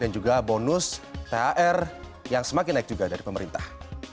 dan juga bonus thr yang semakin naik juga dari pemerintah